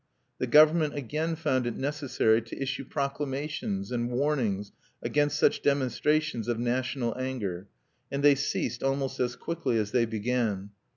The government again found it necessary to issue proclamations and warnings against such demonstrations of national anger; and they ceased almost as quickly as they began.